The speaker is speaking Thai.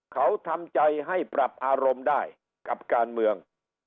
เขาทำใจให้ปรับอารมณ์ได้กับการเมือง